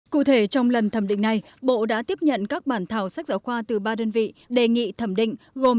cụ thể trong lần thẩm định này bộ đã tiếp nhận các bản thảo sách giáo khoa từ ba đơn vị đề nghị thẩm định gồm